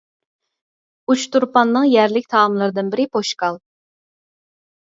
ئۇچتۇرپاننىڭ يەرلىك تائاملىرىدىن بىرى پوشكال.